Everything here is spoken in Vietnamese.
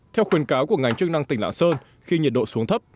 theo khuyến cáo của ngành chức năng tỉnh lạng sơn khi nhiệt độ xuống thấp